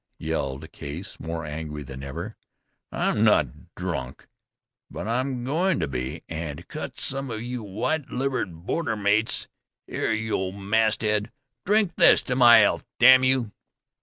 yelled Case, more angry than ever. "I'm not drunk; but I'm going to be, and cut some of you white livered border mates. Here, you old masthead, drink this to my health, damn you!"